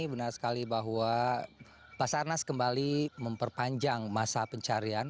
benar sekali bahwa basarnas kembali memperpanjang masa pencarian